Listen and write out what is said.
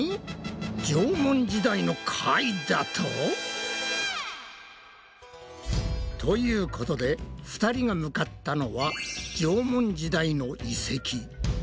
縄文時代の貝だと！？ということで２人が向かったのは縄文時代の遺跡。